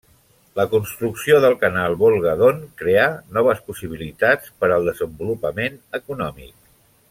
La construcció del canal Volga-Don creà noves possibilitats per al desenvolupament econòmic.